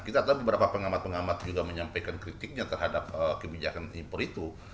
kita tahu beberapa pengamat pengamat juga menyampaikan kritiknya terhadap kebijakan impor itu